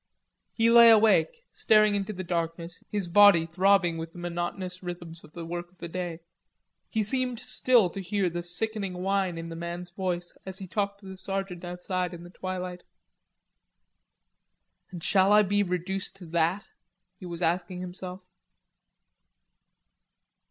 He lay awake, staring into the darkness, his body throbbing with the monotonous rhythms of the work of the day. He seemed still to hear the sickening whine in the man's voice as he talked to the sergeant outside in the twilight. "And shall I be reduced to that?" he was asking himself.